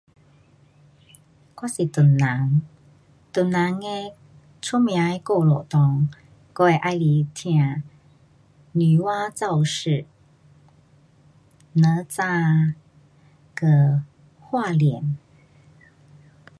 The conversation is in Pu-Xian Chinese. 我是华人，华人的出名的故事里，我会喜欢听女娲造世，哪吒，跟画脸。